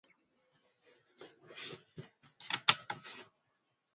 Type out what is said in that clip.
kuenea kwa sababu ni biashara kubwa inayoingiza pesa nyingi